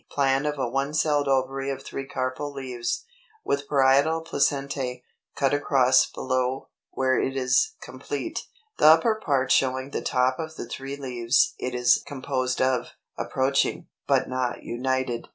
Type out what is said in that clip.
Plan of a one celled ovary of three carpel leaves, with parietal placentæ, cut across below, where it is complete; the upper part showing the top of the three leaves it is composed of, approaching, but not united.